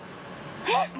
えっ！？